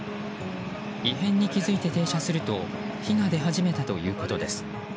異変に気づいて停車すると火が出始めたということです。